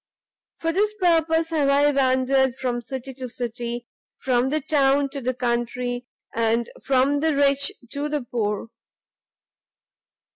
"For this purpose have I wandered from city to city, from the town to the country, and from the rich to the poor.